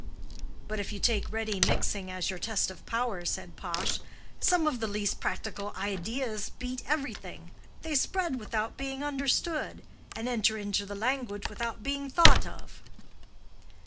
"But if you take ready mixing as your test of power," said Pash, "some of the least practical ideas beat everything. They spread without being understood, and enter into the language without being thought of."